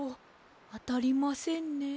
あたりませんね。